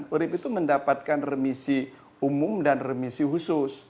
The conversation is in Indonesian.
urib itu mendapatkan remisi umum dan remisi khusus